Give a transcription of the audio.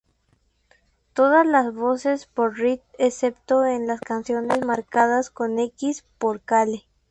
Todas las voces por Reed excepto en las canciones marcadas con x por Cale.